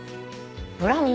「ブラウン」